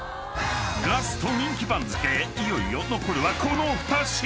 ［ガスト人気番付いよいよ残るはこの２品］